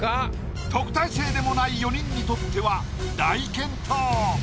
特待生でもない４人にとっては大健闘。